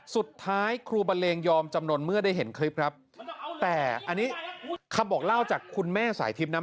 สุดท้ายครูบันเลงยอมจำนวนเมื่อได้เห็นคลิปครับแต่อันนี้คำบอกเล่าจากคุณแม่สายทิพย์นะ